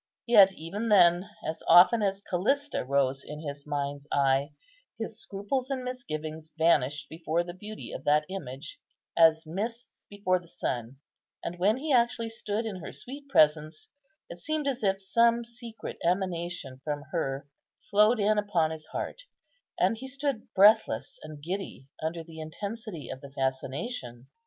Yet even then, as often as Callista rose in his mind's eye, his scruples and misgivings vanished before the beauty of that image, as mists before the sun; and when he actually stood in her sweet presence, it seemed as if some secret emanation from her flowed in upon his heart, and he stood breathless and giddy under the intensity of the fascination.